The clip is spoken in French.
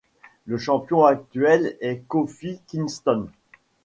Le champion actuel est Kofi Kingston.